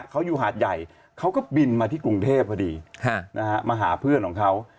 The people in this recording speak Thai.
เขาอยู่หาดใหญ่เขาก็บินมาที่กรุงเทพพอดีมาหาเพื่อนของเขา